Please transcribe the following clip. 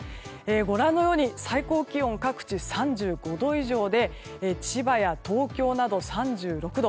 ご覧のように最高気温各地３５度以上で千葉や東京など３６度。